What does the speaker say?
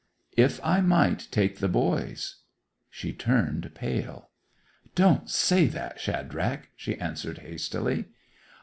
'If I might take the boys.' She turned pale. 'Don't say that, Shadrach,' she answered hastily.